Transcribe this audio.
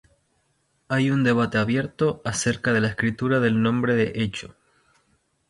Hay un debate abierto a cerca de la escritura del nombre de Hecho.